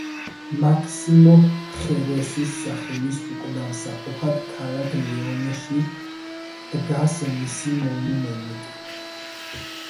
მაქსიმო ხერესის სახელის უკვდავსაყოფად ქალაქ ლეონში დგას მისი მონუმენტი.